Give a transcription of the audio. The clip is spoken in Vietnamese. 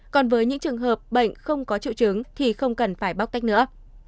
còn với những trường hợp bệnh không có triệu chứng thì không cần phải bóc tách nữa